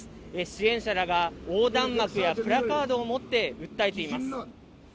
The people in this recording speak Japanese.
支援者らが横断幕やプラカードを持って訴えています。